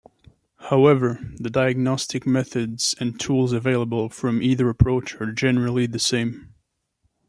However, the diagnostic methods and tools available from either approach are generally the same.